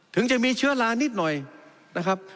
ถึงจะมีเชื้อลานิดหน่อยนะครับ